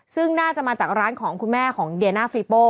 ซึ่งน่าจะมาจากร้านของคุณแม่ของเดียน่าฟรีโป้